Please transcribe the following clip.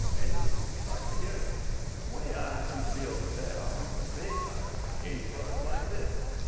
Maybe you'd like to hear it." "'Way I come to be over there on the bay side of the Cape was like this.